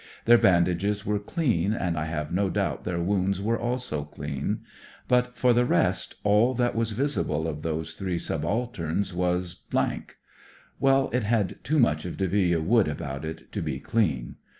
Their bandages were clean, and I have no doubt their wounds were also clean; but for 73 74 THE DEVIL'S WOOD the rest, all that was visible of those three subalterns was Well, it had too much of Delville Wood about it to be dean.